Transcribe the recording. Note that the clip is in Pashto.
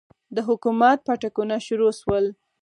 د حکومت پاټکونه شروع سول.